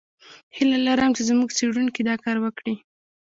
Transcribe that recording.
هیله لرم چې زموږ څېړونکي دا کار وکړي.